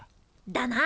だな。